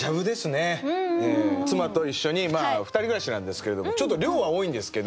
妻と一緒に２人暮らしなんですけれどもちょっと量は多いんですけど。